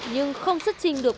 nhưng không xuất trình được